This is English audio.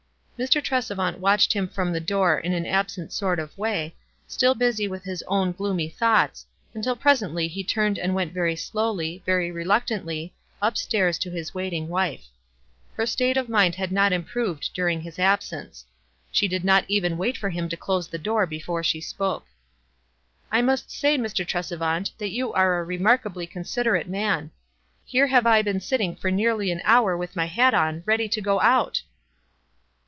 208 WISE AND OTHERWISE. Mr. Tresevant watched him from the door In an absent sort of way, still busy with his own gloomy thoughts, until presently he turned and went very slowly, very reluctantly, up stairs to his waiting wife. Her state of mind had not im proved during his absence. She did not even wait for him to close the door before she spoke. "I must say, Mr. Tresevant, that you are a remarkably considerate man. Here have I been sitting for nearly an hour with my hat on, ready to go out."